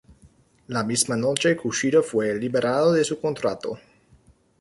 La misma noche, Kushida fue liberado de su contrato.